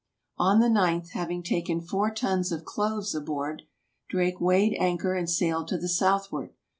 '' On the ninth, having taken four tons of cloves aboard, Drake weighed anchor and sailed to the southward.